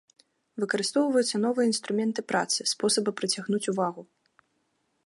Выкарыстоўваюцца новыя інструменты працы, спосабы прыцягнуць увагу.